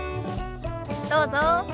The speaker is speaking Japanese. どうぞ。